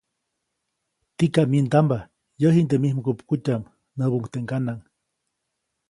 ‒Tikam myindamba, yäʼ jiʼnde mij mgupkutyaʼm-, näbuʼuŋ teʼ ŋganaʼŋ.